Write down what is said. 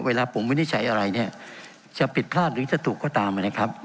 เวลาผมวินิจฉัยอะไรเนี่ยจะผิดพลาดหรือจะถูกก็ตามนะครับ